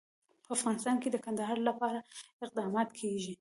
په افغانستان کې د کندهار لپاره اقدامات کېږي.